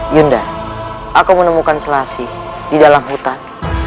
yunda aku menemukan selasih di dalam hutan